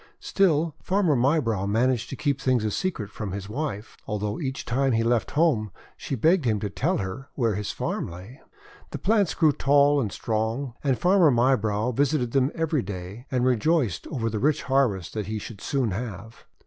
Still Farmer Mybrow managed to keep things a secret from his wife, although each time he left home she begged him to tell her where his farm lay. The plants grew tall and strong, and Farmer Mybrow visited them every day, and rejoiced over the rich harvest that he should soon have.